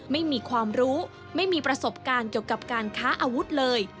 ไม่มีความรู้ไม่มีประสบการณ์เกี่ยวกับการค้าอาวุธเลย